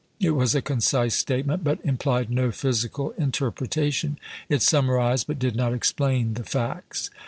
It was a concise statement, but implied no physical interpretation. It summarised, but did not explain the facts.